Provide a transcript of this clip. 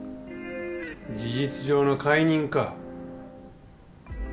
事実上の解任か。